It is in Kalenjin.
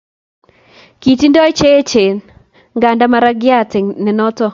Kitindoi che echen nganda maragiat ne noto